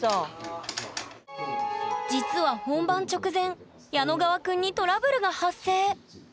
実は本番直前ヤノガワ君にトラブルが発生。